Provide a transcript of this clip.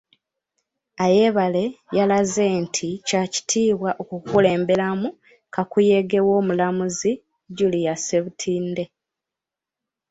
Ayebare yalaze nti kya kitiibwa okukulemberamu kakuyege w'omulamuzi Julia Ssebutinde .